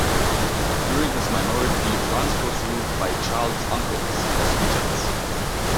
During his minority, France was ruled by Charles' uncles, as regents.